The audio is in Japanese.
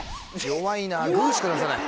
弱いなグしか出さない。